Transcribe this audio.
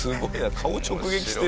顔直撃してる。